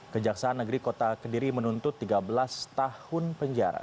kejaksaan negeri kota kediri menuntut tiga belas tahun penjara